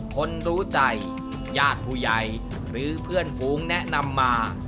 คนรู้ใจญาติผู้ใหญ่หรือเพื่อนฝูงแนะนำมา